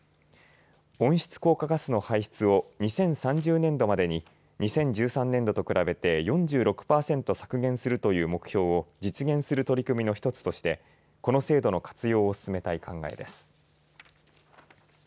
温室効果ガスの排出を２０３０年度までに、２０１３年度と比べて４６％削減するという目標を実現する取り組みの１つとしてこの制度の活用を進めたい考えです。